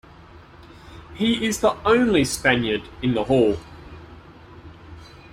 He is the only Spaniard in the Hall.